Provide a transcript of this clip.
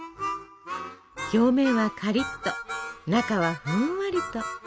表面はカリッと中はふんわりと。